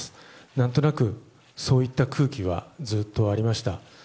何となくそういった空気はずっとありました。